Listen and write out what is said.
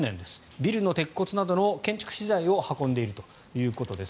ビルの鉄骨などの建築資材を運んでいるということです。